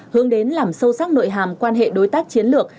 hướng đến làm sâu sắc nội hàm quan hệ đối tác chiến lược